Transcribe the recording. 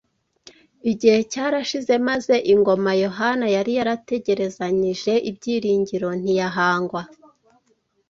Igihe cyarashize, maze ingoma Yohana yari yarategerezanyije ibyiringiro ntiyahangwa